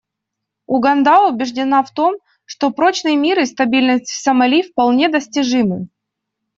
Уганда убеждена в том, что прочный мир и стабильность в Сомали вполне достижимы.